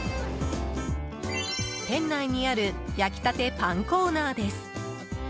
店内にある焼きたてパンコーナーです。